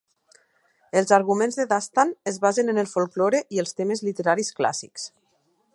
Els arguments de Dastan es basen en el folklore i els temes literaris clàssics.